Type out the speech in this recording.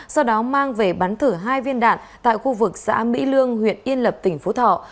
sau đó mang về bắn thử hai viên đạn tại khu vực xã mỹ lương huyện yên lập tỉnh phú thọ